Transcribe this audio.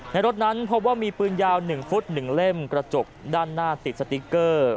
รถนั้นพบว่ามีปืนยาว๑ฟุต๑เล่มกระจกด้านหน้าติดสติ๊กเกอร์